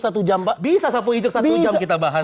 satu jam pak bisa sapu ijuk satu jam kita bahas